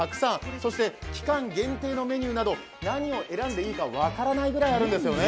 そして期間限定のメニューなど、何を選んでいいか分からないぐらいあるんですね。